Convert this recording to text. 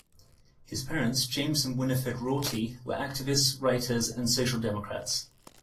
His parents, James and Winifred Rorty, were activists, writers and social democrats.